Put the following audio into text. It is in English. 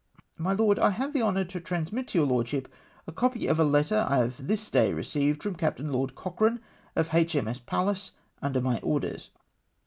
My Lord, — I have the honour to transmit to your lord ship a copy of a letter I have this day received from Captain Lord Cochrane of H. M. S. Pallas, under ray orders.